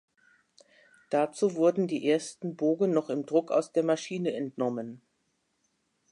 Dazu wurden die ersten Bogen noch im Druck aus der Maschine entnommen.